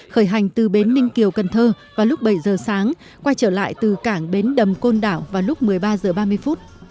khởi hành từ bến ninh kiều cần thơ vào lúc bảy giờ sáng quay trở lại từ cảng bến đầm côn đảo vào lúc một mươi ba h ba mươi phút